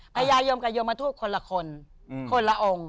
พญายมกับยมทูตคนละคนคนละองค์